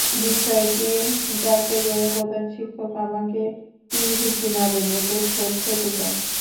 বিষয়টি জানতে গেলে প্রধান শিক্ষক আমাকে কিল-ঘুষি মারেন, এতে ঠোঁট ফেটে যায়।